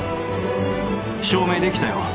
証明できたよ